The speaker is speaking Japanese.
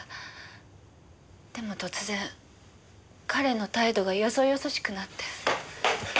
でも突然彼の態度がよそよそしくなって。